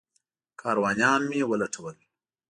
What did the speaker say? کاروانیان مې ولټول.